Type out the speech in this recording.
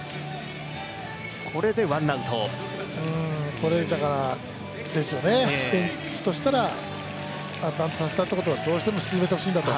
これで、だからベンチとしたらバントさせたってことは、どうしても進めてほしいんだと。